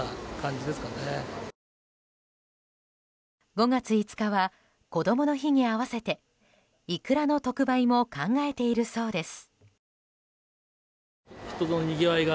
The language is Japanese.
５月５日はこどもの日に合わせてイクラの特売も考えているそうです。